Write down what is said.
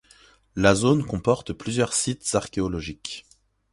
La zone comporte plusieurs sites archéologiques.